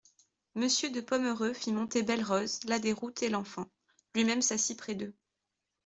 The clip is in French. Monsieur de Pomereux fit monter Belle-Rose, la Déroute et l'enfant ; lui-même s'assit près d'eux.